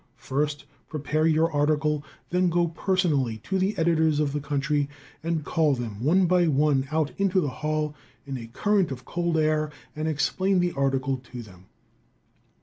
First prepare your article, then go personally to the editors of the country and call them one by one out into the hall, in a current of cold air, and explain the article to them.